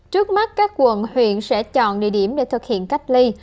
trước mắt các quận huyện sẽ chọn địa điểm để thực hiện cách ly